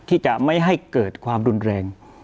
ที่จะไม่ให้เกิดความรุนแรง